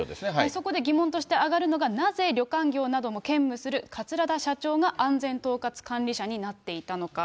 そこで疑問として上がるのが、なぜ旅館業なども兼務する桂田社長が、安全統括管理者になっていたのか。